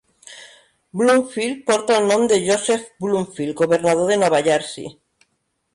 Bloomfield portal el nom de Joseph Bloomfield, governador de Nova Jersey.